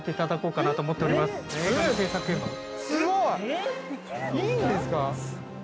◆いいんですか？